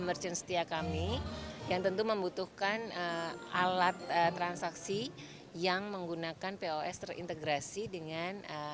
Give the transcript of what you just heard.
merchant setia kami yang tentu membutuhkan alat transaksi yang menggunakan pos terintegrasi dengan